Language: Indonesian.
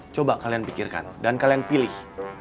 coba kalian pikirkan dan kalian pilih